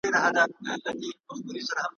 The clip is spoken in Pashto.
له هغو کتابو څخه ول